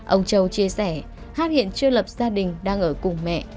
ông châu chia sẻ hát hiện chưa lập gia đình đang ở cùng mẹ